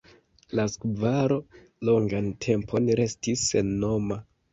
La skvaro longan tempon restis sennoma.